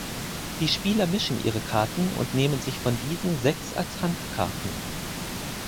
Die Spieler mischen ihre Karten und nehmen sich von diesen sechs als Handkarten.